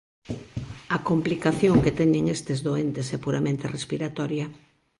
A complicación que teñen estes doentes é puramente respiratoria.